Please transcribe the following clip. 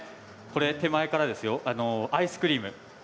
手前からアイスクリーム。